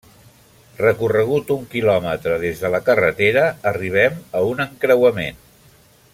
Recorregut un quilòmetre des de la carretera, arribem a un encreuament.